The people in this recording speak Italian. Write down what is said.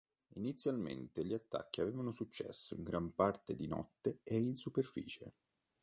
Inizialmente gli attacchi avevano successo in gran parte di notte e in superficie.